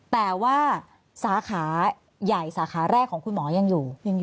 แต่ว่าสาขาใหญ่สาขาแรกของคุณหมอยังอยู่